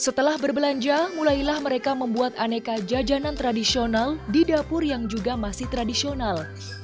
setelah berbelanja mulailah mereka membuat aneka jajanan tradisional di dapur yang juga masih tradisional